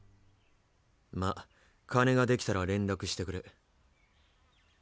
まあ金ができたら連絡してくれ。